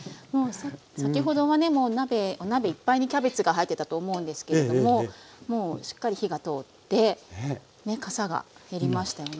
先ほどはねお鍋いっぱいにキャベツが入ってたと思うんですけれどももうしっかり火が通ってかさが減りましたよね。